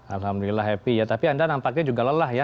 alhamdulillah happy ya tapi anda nampaknya juga lelah ya